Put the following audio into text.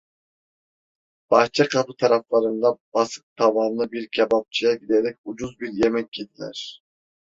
Bahçekapı taraflarında basık tavanlı bir kebapçıya giderek ucuz bir yemek yediler.